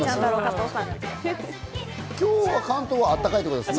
今日は関東は暖かいということですね。